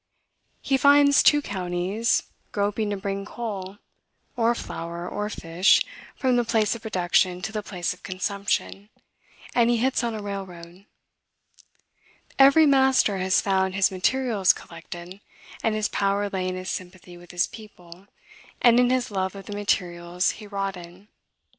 He finds two counties groping to bring coal, or flour, or fish, from the place of production to the place of consumption, and he hits on a railroad. Every master has found his materials collected, and his power lay in his sympathy with his people, and in his love of the materials he wrought in.